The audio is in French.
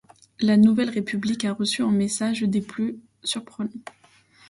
La Nouvelle République a reçu un message des plus surprenants.